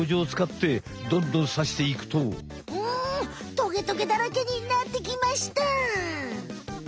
トゲトゲだらけになってきました。